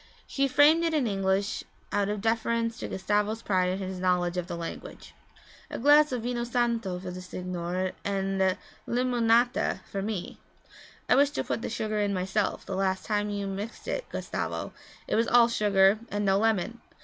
She framed it in English out of deference to Gustavo's pride in his knowledge of the language. 'A glass of vino santo for the signore and limonata for me. I wish to put the sugar in myself, the last time you mixed it, Gustavo, it was all sugar and no lemon.